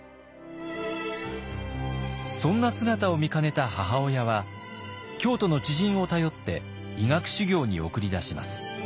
そんな姿を見かねた母親は京都の知人を頼って医学修行に送り出します。